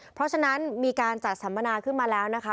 เพราะฉะนั้นมีการจัดสัมมนาขึ้นมาแล้วนะคะ